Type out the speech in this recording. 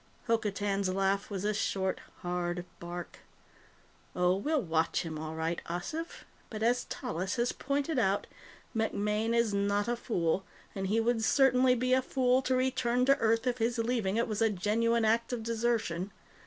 Hokotan's laugh was a short, hard bark. "Oh, we'll watch him, all right, Ossif. But, as Tallis has pointed out, MacMaine is not a fool, and he would certainly be a fool to return to Earth if his leaving it was a genuine act of desertion.